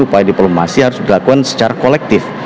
upaya diplomasi harus dilakukan secara kolektif